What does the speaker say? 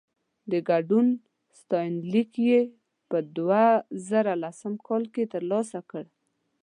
د ګډون ستاینلیک يې په دوه زره دولسم کال کې ترلاسه کړ.